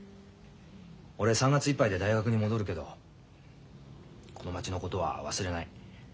俺３月いっぱいで大学に戻るけどこの町のことは忘れない。